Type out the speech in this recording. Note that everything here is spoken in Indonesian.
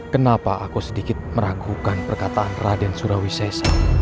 kenapa aku sedikit meragukan perkataan raden surawi sesa